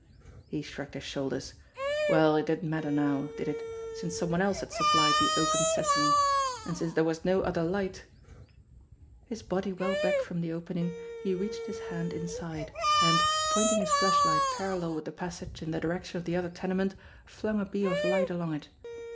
He shrugged his shoulders. Well, it didn't matter now, did it, since some one else had supplied the "open sesame !" And since there was no other light His body well back from the opening, he reached his hand inside, and, pointing his flashlight parallel with the passage in the direction of the other tenement, flung a beam of light THE LAIR 283 along it.